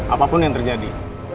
apapun yang terjadi